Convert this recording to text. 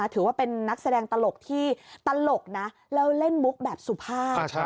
ถือว่าเป็นนักแสดงตลกที่ตลกนะแล้วเล่นมุกแบบสุภาพ